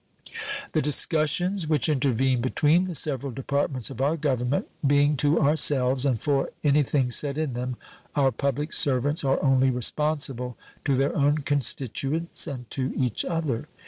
The discussions which intervene between the several departments of our Government being to ourselves, and for anything said in them our public servants are only responsible to their own constituents and to each other.